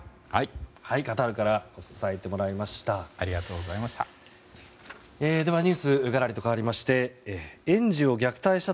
カタールから伝えてもらいました。